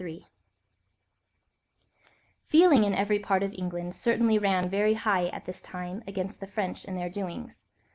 THE REFUGEES Feeling in every part of England certainly ran very high at this time against the French and their doings.